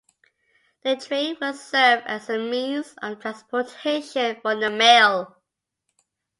The train will serve as a means of transportation for the mail.